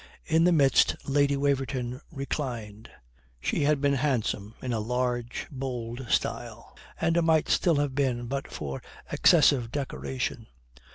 In the midst Lady Waverton reclined. She had been handsome in a large, bold style, and might still have been but for excessive decoration.